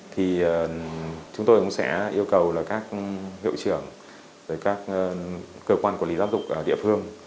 thì chúng tôi cũng sẽ yêu cầu là các hiệu trưởng các cơ quan quản lý giám đốc địa phương